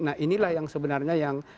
nah inilah yang sebenarnya yang